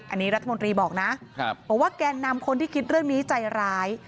อันนี้รัฐมนตรีบอกนะบอกว่าแกนนำคนที่คิดเรื่องนี้ใจร้าย